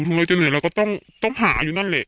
ของเราจะเหนื่อยเราก็ต้องหาอยู่นั่นแหละ